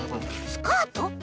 スカート？